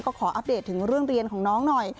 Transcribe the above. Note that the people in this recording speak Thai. ก็ขออัปเดตถึงเรื่องเรียนของน้องหน่อย